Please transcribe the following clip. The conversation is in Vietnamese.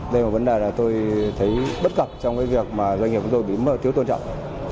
đây là vấn đề tôi thấy bất cập trong cái việc doanh nghiệp của tôi bị thiếu tôn trọng